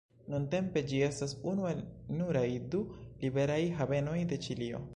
Nuntempe ĝi estas unu el nuraj du liberaj havenoj de Ĉilio.